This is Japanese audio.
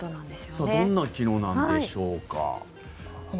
さあどんな機能なんでしょうか。